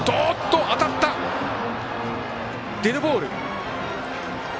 デッドボール。